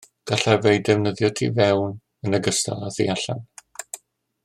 Gallaf ei defnyddio tu fewn yn ogystal â thu allan